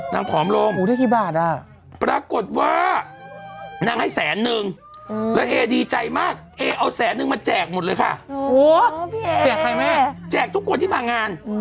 นางตอบนี่ไงเธอเชื่อยัง